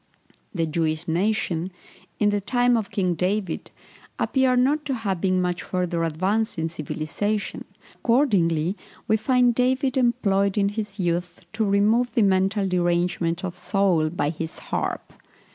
The Jewish nation, in the time of King David, appear not to have been much further advanced in civilization; accordingly we find David employed in his youth to remove the mental derangement of Saul by his harp.